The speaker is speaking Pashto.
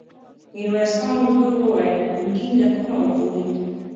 ميرويس خان ورو وويل: ګرګين له کومه وپوهېد؟